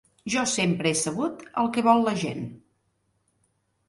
Jo sempre he sabut el que vol la gent.